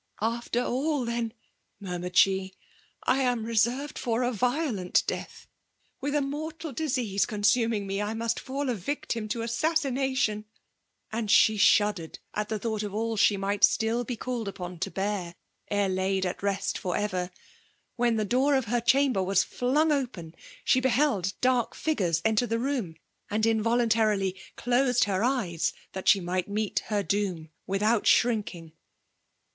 " After all, then/' murmured she, *' i am teservcd for a violent death !— ^With a mortal disease consuming me, I must fall a victim' to assassination !" And she shuddered at Ihd thought of all she might still be called upon to bear, ere laid at rest for ever, — when the door of her chamber was flung open : she beheld dark figures enter the room; and in vohmtarfly closed her eyes, that she might meet her doom without shrinking.